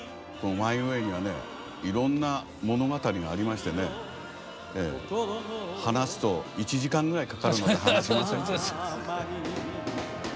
「マイ・ウェイ」にはいろんな物語がありましてね話すと１時間ぐらいかかるので話しません。